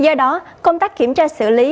do đó công tác kiểm tra xử lý